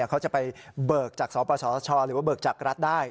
เขาจะไปเบิกจากสปสชหรือว่าเบิกจากรัฐได้